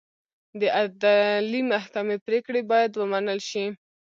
د عدلي محکمې پرېکړې باید ومنل شي.